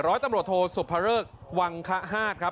ร้อยตำรวจโทสุภเริกวังคฮาดครับ